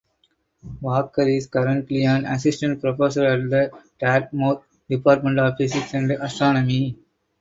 Walker is currently an assistant professor at the Dartmouth Department of Physics and Astronomy.